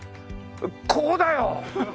ここだよ！